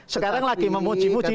sekarang lagi memuji puji